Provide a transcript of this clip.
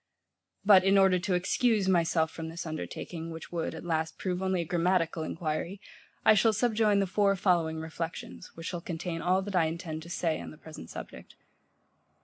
But in order to excuse myself from this undertaking, which would, at last, prove only a grammatical enquiry, I shall subjoin the four following reflections, which shall contain all that I intend to say on the present subject.